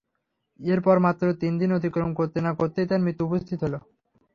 এর পর মাত্র তিন দিন অতিক্রম করতে না করতেই তাঁর মৃত্যু উপস্থিত হল।